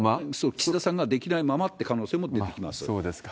岸田さんができないままって可能性も出てきます。